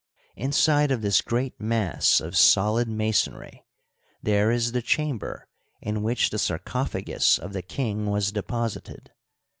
Inside of this great mass of solid masonry there is the chamber in which the sarcophagus of the king was deposited.